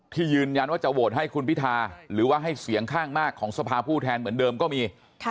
ยืนยันว่าจะโหวตให้คุณพิธาหรือว่าให้เสียงข้างมากของสภาผู้แทนเหมือนเดิมก็มี